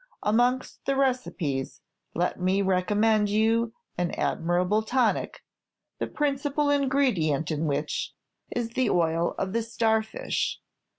Amongst the recipes, let me recommend you an admirable tonic, the principal ingredient in which is the oil of the star fish.